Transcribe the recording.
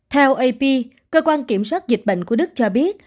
theo ap cơ quan kiểm soát dịch bệnh của đức cho biết